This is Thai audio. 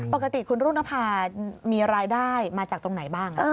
ปกติคุณรุ่งนภามีรายได้มาจากตรงไหนบ้าง